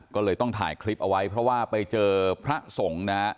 ก็เลยต้องถ่ายคลิปเอาไว้เพราะว่าไปเจอพระสงฆ์นะฮะ